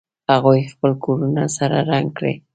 هغوی خپل کورونه سره رنګ کړي